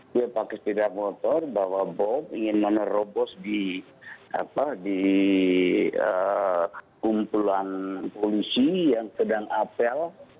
dia pakai sepeda motor bawa bom ingin menerobos di kumpulan polisi yang sedang apel